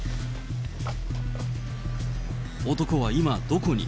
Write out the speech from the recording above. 男は今、どこに？